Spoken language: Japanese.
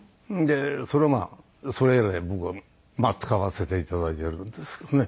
それをまあそれ以来僕は使わせていただいてるんですけどね。